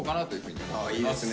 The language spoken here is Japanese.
いいですね。